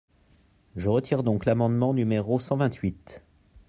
Je retire donc l’amendement numéro cent vingt-huit.